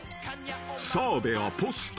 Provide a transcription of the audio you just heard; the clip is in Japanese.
［澤部はポスト。